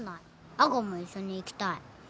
亜子も一緒に行きたい。